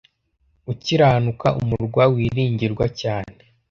ukiranuka, umurwa wiringirwa cyane